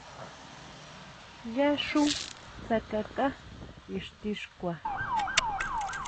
Yá xú tsakaká ixti xkua.